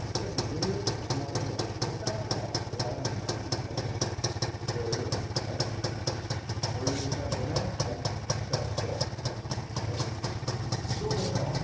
ぐるーっとかき混ぜるように下のほうはやわらかくなっていますのでこういうふうにはいお湯にちゃんとね浸してはいどうでしょう？